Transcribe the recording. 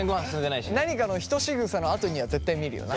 何かのひとしぐさのあとには絶対見るよな。